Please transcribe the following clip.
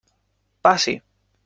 Passi.